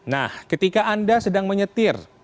nah ketika anda sedang menyetir